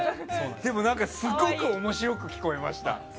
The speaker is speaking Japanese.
でも、すごく面白く聞こえました。